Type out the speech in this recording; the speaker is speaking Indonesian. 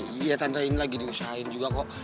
iya iya tante ini lagi diusahain juga kok